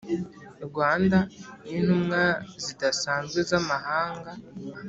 Rwanda n intumwa zidasanzwe z amahanga